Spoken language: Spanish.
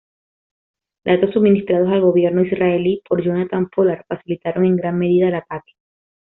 Datos suministrados al gobierno israelí por Jonathan Pollard facilitaron en gran medida el ataque.